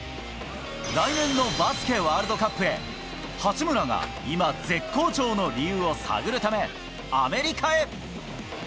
来年のバスケワールドカップへ、八村が今、絶好調の理由を探るため、アメリカへ。